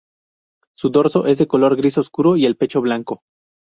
Su dorso es de color gris oscuro y el pecho blanco.